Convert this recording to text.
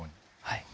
はい。